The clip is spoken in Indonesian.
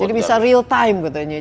jadi bisa real time gitu ya